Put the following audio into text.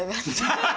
ハハハハ！